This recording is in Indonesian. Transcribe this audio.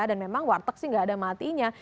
dan memang warteg sih gak ada matinya